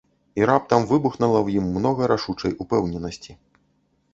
І раптам выбухнула ў ім многа рашучай упэўненасці.